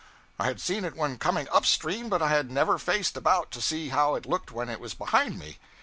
I had seen it when coming up stream, but I had never faced about to see how it looked when it was behind me.